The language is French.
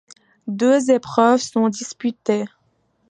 Deux épreuves sont disputées.